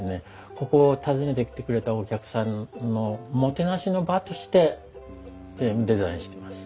ここを訪ねてきてくれたお客さんのもてなしの場としてデザインしてます。